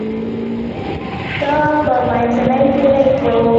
دا په منځنۍ پېړۍ کې و.